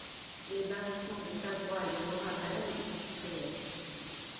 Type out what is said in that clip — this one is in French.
Les barrissements de Cavrois et de Mauravert y suppléaient.